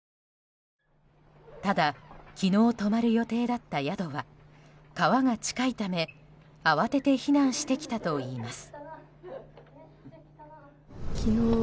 ただ昨日、泊まる予定だった宿は川が近いため慌てて避難してきたといいます。